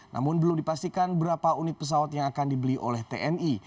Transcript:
namun belum dipastikan berapa unit pesawat yang akan dibeli oleh tni